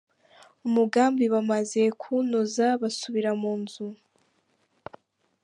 "Umugambi bamaze kuwunoza basubira mu zu.